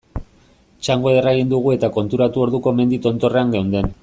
Txango ederra egin dugu eta konturatu orduko mendi tontorrean geunden.